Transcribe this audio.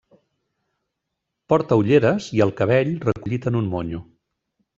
Porta ulleres i el cabell recollit en un monyo.